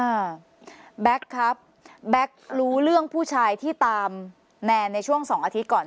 แบ็คครับแบ็ครู้เรื่องผู้ชายที่ตามแนนในช่วงสองอาทิตย์ก่อน